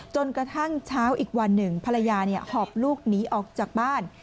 จนกระทั่งเช้าอีกวันหนึ่งภรรยาหอบลูกหนีออกจากบ้าน